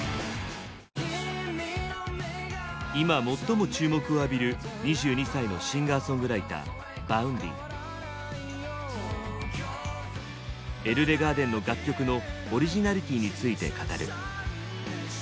今最も注目を浴びる２２歳のシンガーソングライターＥＬＬＥＧＡＲＤＥＮの楽曲のオリジナリティーについて語る。